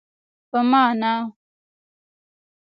په ما نه.